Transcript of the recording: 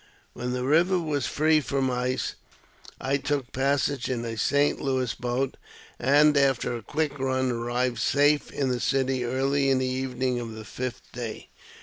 When the river was free from ice, I took passage in a St. Louis boat, and, after a quick run, arrived safe in the city early in the evening of the fifth day.